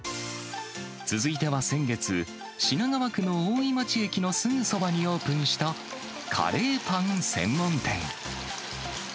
続いては、先月、品川区の大井町駅のすぐそばにオープンした、カレーパン専門店。